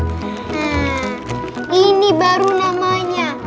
nah ini baru namanya